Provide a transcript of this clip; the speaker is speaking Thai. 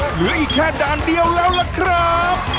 เหลืออีกแค่ด่านเดียวแล้วล่ะครับ